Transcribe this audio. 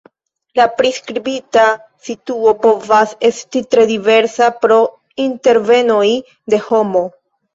La priskribita situo povas esti tre diversa pro intervenoj de homo.